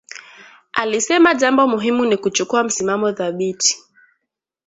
Alisema jambo muhimu ni kuchukua msimamo thabiti